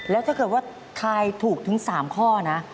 แล้วถ้าเกิดว่าทายถูกถึง๓ข้อนะ